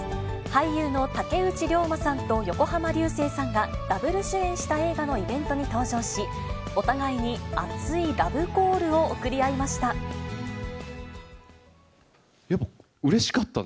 俳優の竹内涼真さんと横浜流星さんが、ダブル主演した映画のイベントに登場し、お互いに熱いラブコールを送り合いました。